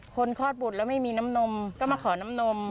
คลอดบุตรแล้วไม่มีน้ำนมก็มาขอน้ำนม